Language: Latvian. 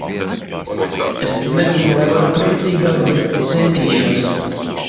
Es nezinu, vai varu priecīgāk, bet centīšos.